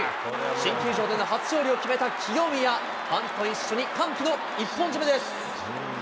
新球場での初勝利を決めた清宮、ファンと一緒に歓喜の一本締めです。